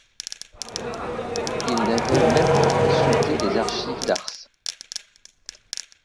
Il n'avait même pas consulté les archives d'Ars.